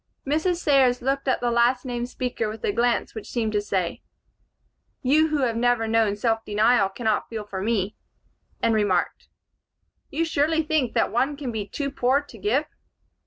Mrs. Sayers looked at the last named speaker with a glance which seemed to say, "You who have never known self denial cannot feel for me," and remarked, "You surely think one can be too poor to give?"